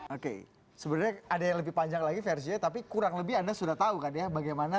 oke sebenarnya ada yang lebih panjang lagi versinya tapi kurang lebih anda sudah tahu kan ya